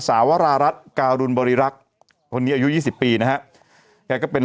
สาวรารัฐการุณบริรักษ์คนนี้อายุ๒๐ปีนะฮะแกก็เป็น